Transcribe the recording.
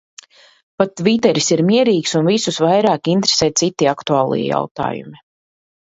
Pat tviteris ir mierīgs un visus vairāk interesē citi aktuālie jautājumi.